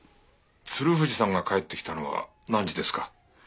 鶴藤さんが帰ってきたのは何時ですか？